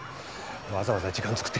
わざわざ時間作って来てんだ。